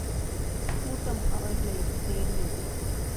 கூட்டம் அவர்களைத் தேடியது.